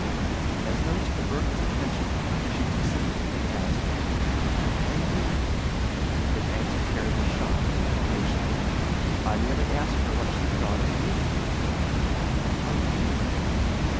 As though to divert his attention, she precipitately asked, "And you ?" His answer carried the shock of an evocation. "I merely asked her what she thought of you." "Of me?"